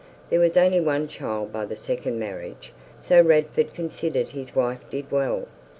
There was only one child by the second marriage, so Radford considered his wife did well.